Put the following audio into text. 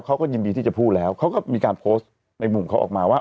เขาก็ยินดีที่จะพูดแล้วเขาก็มีการโพสต์ในมุมเขาออกมาว่า